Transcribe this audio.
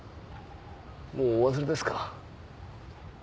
もうお忘れですか？